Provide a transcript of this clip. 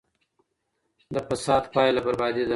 د فساد پایله بربادي ده.